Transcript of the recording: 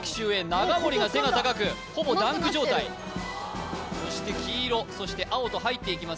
長森が背が高くほぼダンク状態そして黄色そして青と入っていきます